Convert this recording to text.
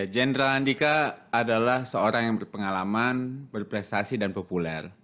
jenderal andika adalah seorang yang berpengalaman berprestasi dan populer